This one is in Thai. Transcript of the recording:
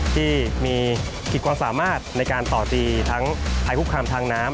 ที่มีขีดความสามารถในการต่อตีทั้งภัยคุกคามทางน้ำ